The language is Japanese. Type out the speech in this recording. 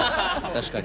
確かに。